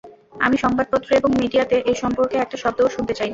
আমি সংবাদপত্র এবং মিডিয়াতে এসম্পর্কে একটা শব্দও শুনতে চাই না।